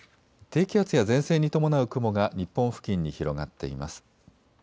低気圧や前線に伴う雲が日本付近に広がっています。